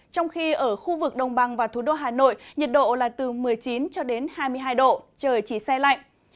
trong khi ở khu vực đồng bằng và thủ đô hà nội nhiệt độ là từ một mươi chín cho đến hai mươi hai độ trời chỉ xe lạnh